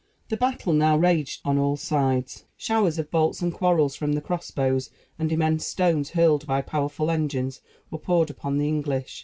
The battle now raged on all sides. Showers of bolts and quarrels from the cross bows, and immense stones, hurled by powerful engines, were poured upon the English.